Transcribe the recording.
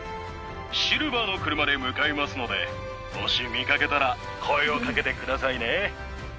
シルバーの車で向かいますので、もし見かけたら声をかけてくださいね。